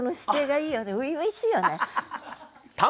初々しいよね。